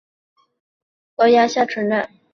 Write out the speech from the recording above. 五氟化铯可在高压下存在。